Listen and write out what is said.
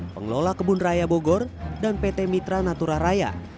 pengelola kebun raya bogor dan pt mitra natura raya